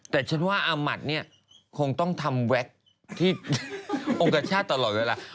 แต่ฉันว่าอามัติเนี่ยคงต้องทำแว็กที่องค์กชาติตลอดเวลา